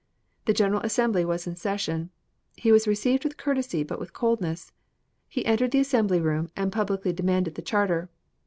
The General Assembly was in session; he was received with courtesy, but with coldness. He entered the assembly room and publicly demanded the charter.